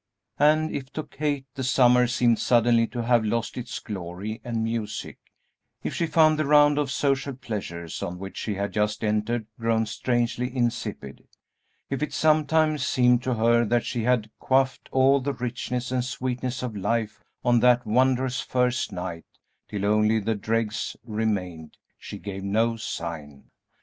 And if to Kate the summer seemed suddenly to have lost its glory and music, if she found the round of social pleasures on which she had just entered grown strangely insipid, if it sometimes seemed to her that she had quaffed all the richness and sweetness of life on that wondrous first night till only the dregs remained, she gave no sign.